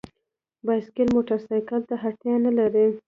بایسکل موټرسایکل ته اړتیا نه لري.